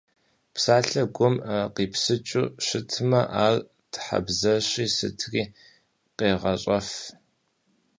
Псалъэр гум къипсыкӏыу щытмэ ар Тхьэбзэщи сытри къегъащӏэф.